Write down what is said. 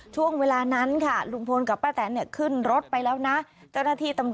ช่วงเวลานั้นค่ะลุงพลกับป้าแตนขึ้นรถไปแล้วนะ